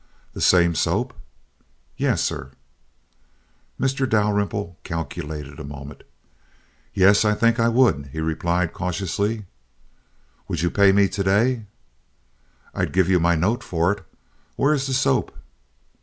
"The same soap?" "Yes, sir." Mr. Dalrymple calculated a moment. "Yes, I think I would," he replied, cautiously. "Would you pay me to day?" "I'd give you my note for it. Where is the soap?"